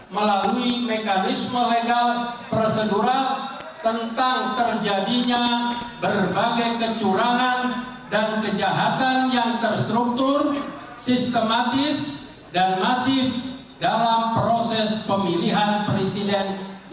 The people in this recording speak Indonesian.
melalui mekanisme legal prosedural tentang terjadinya berbagai kecurangan dan kejahatan yang terstruktur sistematis dan masif dalam proses pemilihan presiden dua ribu sembilan belas